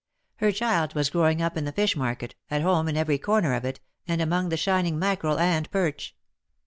Her child was growing up in the fish market, at home in every corner of it, and among the shining mackerel and perch.